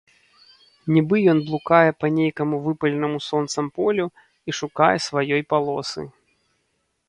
Нiбы ён блукае па нейкаму выпаленаму сонцам полю i шукае сваёй палосы...